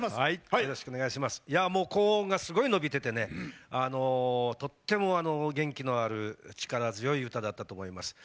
高音がすごい伸びててとっても元気のある力強い歌だったと思います。